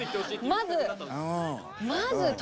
まず！